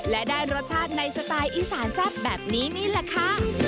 และได้รสชาติในสไตล์อีสานแซ่บแบบนี้นี่แหละค่ะ